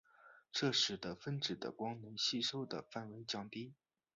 这使得分子的光能吸收的范围降低。